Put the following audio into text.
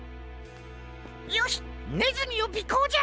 よしねずみをびこうじゃ！